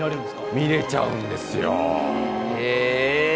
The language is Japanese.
見れちゃうんですよ。